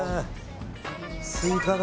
スイカだ。